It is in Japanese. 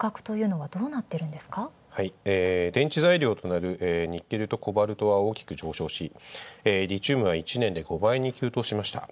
はい、電池材料となるニッケルとコバルトは大きく上昇し、リチウムが１年で５倍に急騰しました。